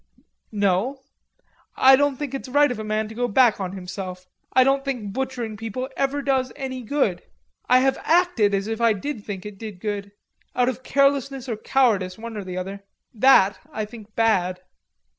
"No.... I don't think it's right of a man to go back on himself.... I don't think butchering people ever does any good ...I have acted as if I did think it did good... out of carelessness or cowardice, one or the other; that I think bad."